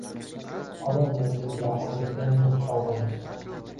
Onam bizning gavharga teng dur shodamiz